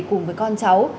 cùng với con cháu